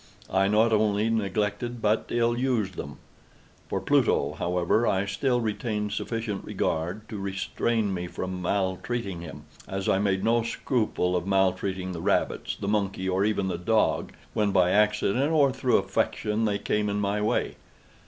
I not only neglected, but ill used them. For Pluto, however, I still retained sufficient regard to restrain me from maltreating him, as I made no scruple of maltreating the rabbits, the monkey, or even the dog, when by accident, or through affection, they came in my way.